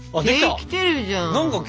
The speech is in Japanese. できてるじゃん！